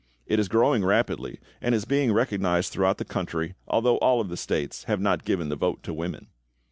It is growing rapidly, and is being recognized throughout the country, although all of the States have not given the vote to women.